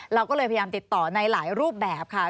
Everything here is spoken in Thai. เราก็เลยพยายามติดต่อในหลายรูปแบบค่ะ